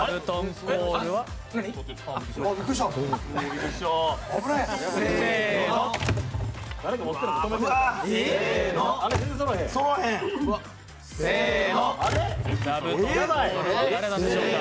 コールは誰なんでしょうか。